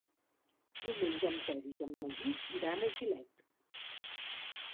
Diumenge en Peris i en Magí iran a Gilet.